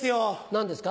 何ですか？